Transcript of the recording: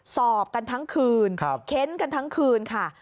สอบกันทั้งคืนเค้นกันทั้งคืนค่ะ